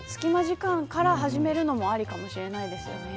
隙間時間から始めるのもありかもしませんね。